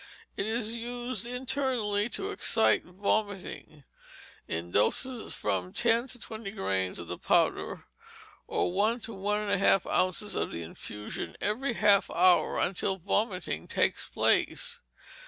It is used internally to excite vomiting, in doses of from ten to twenty grains of the powder, or one to one and a half ounce of the infusion, every half hour until vomiting takes place.